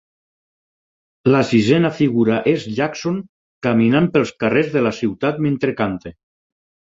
La sisena figura és Jackson caminant pels carrers de la ciutat mentre canta.